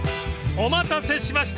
［お待たせしました。